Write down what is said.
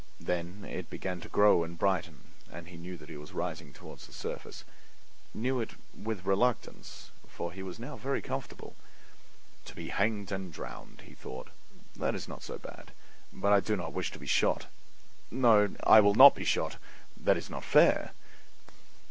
Then it began to grow and brighten, and he knew that he was rising toward the surface—knew it with reluctance, for he was now very comfortable. "To be hanged and drowned," he thought, "that is not so bad; but I do not wish to be shot. No; I will not be shot; that is not fair."